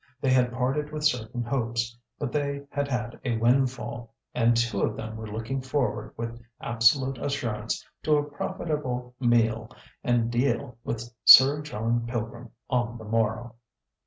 They had parted with certain hopes, but they had had a windfall; and two of them were looking forward with absolute assurance to a profitable meal and deal with Sir John Pilgrim on the morrow.